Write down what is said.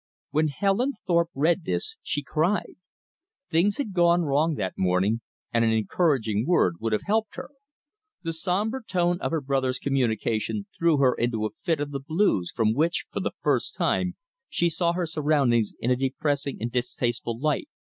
When Helen Thorpe read this, she cried. Things had gone wrong that morning, and an encouraging word would have helped her. The somber tone of her brother's communication threw her into a fit of the blues from which, for the first time, she saw her surroundings in a depressing and distasteful light.